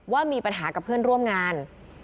ว่ามีปัญหากับเพื่อนร่วมงาน